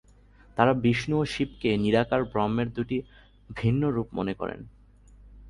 তারা বিষ্ণু ও শিবকে নিরাকার ব্রহ্মের দুটি ভিন্ন রূপ মনে করেন।